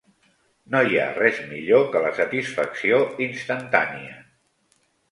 No hi ha res millor que la satisfacció instantània.